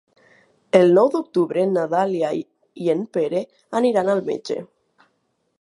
El nou d'octubre na Dàlia i en Pere aniran al metge.